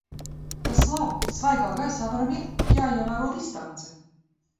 Tas labi! Svaigā gaisā varam iet, tik jāievēro distance.